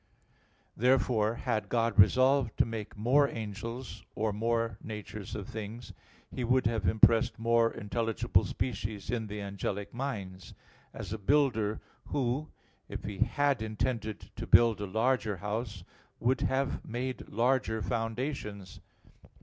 Therefore had God resolved to make more angels or more natures of things, He would have impressed more intelligible species in the angelic minds; as a builder who, if he had intended to build a larger house, would have made larger foundations.